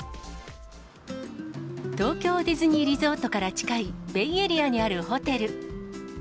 東京ディズニーリゾートから近いベイエリアにあるホテル。